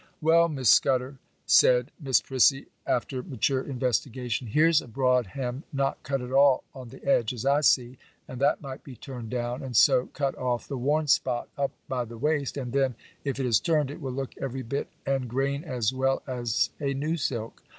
'Well, Miss Scudder,' said Miss Prissy, after mature investigation, 'here's a broad hem, not cut at all on the edge, as I see, and that might be turned down, and so cut off the worn spot up by the waist, and then, if it is turned, it will look every bit and grain as well as a new silk.